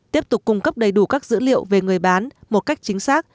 tiếp tục cung cấp đầy đủ các dữ liệu về người bán một cách chính xác